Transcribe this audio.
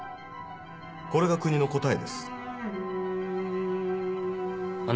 これが国の答えです。